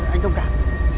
anh tổng cảm